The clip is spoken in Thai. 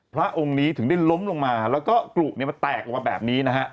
พระองค์นี้ถึงได้ล้มลงมาแล้วก็กรุมันแตกออกมาแบบนี้นะฮะ